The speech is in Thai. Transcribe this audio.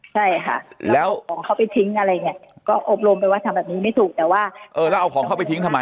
ใช่ค่ะอบรวมนี่ไปทิ้งอะไรแบบนี้